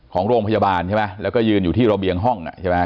ของโรงพยาบาลใช่ไหมแล้วก็ยืนอยู่ที่ระเบียงห้องอ่ะใช่ไหม